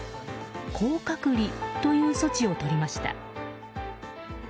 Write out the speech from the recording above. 硬隔離という措置をとりました。